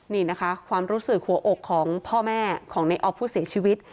นี่นะคะความรู้สึกหัวอกของพ่อแม่ของในออฟผู้เสียชีวิต